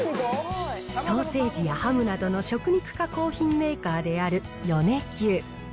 ソーセージやハムなどの食肉加工品メーカーである米久。